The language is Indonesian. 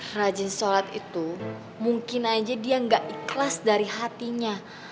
rajin sholat itu mungkin aja dia nggak ikhlas dari hatinya